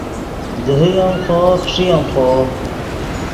دیہے ام خوو خݰئے ام خوو